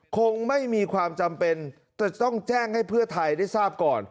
คงไม่มีความจำเป็นจะต้องแจ้งให้เพื่อไทยได้ทราบก่อน